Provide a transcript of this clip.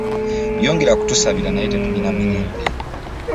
Yongera kutusabira naye tetulina mirembe.